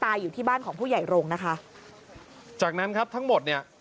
อยู่ที่บ้านของผู้ใหญ่โรงนะคะจากนั้นครับทั้งหมดเนี่ย